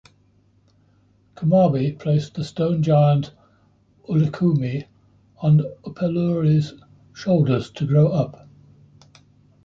Kumarbi placed the stone giant Ullikummi on Upelluri's shoulders to grow up.